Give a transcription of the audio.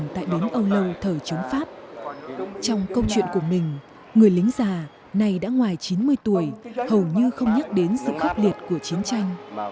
trong câu chuyện của mình người lính già này đã ngoài chín mươi tuổi hầu như không nhắc đến sự khốc liệt của chiến tranh